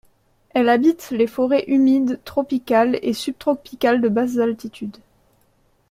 Elle habite les forêts humides tropicales et subtropicales de basses altitudes.